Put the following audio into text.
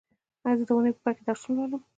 زه د اونۍ په پای کې درسونه لولم